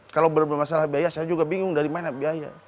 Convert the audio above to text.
kalau bermasalah biaya saya juga bingung dari mana biaya